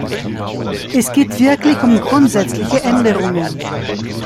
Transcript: Es geht wirklich um grundsätzliche Änderungen.